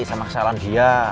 sama kesalahan dia